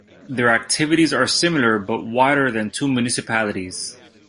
Their activities are similar but wider than to municipalities.